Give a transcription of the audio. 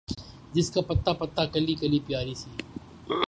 جس کا پتا پتا، کلی کلی پیاری سی